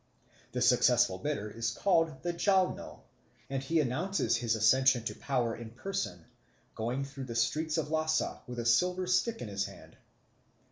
The successful bidder is called the Jalno, and he announces his accession to power in person, going through the streets of Lhasa with a silver stick in his hand.